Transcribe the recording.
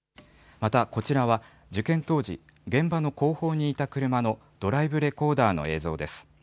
またこちらは、事件当時、現場の後方にいた車のドライブレコーダーの映像です。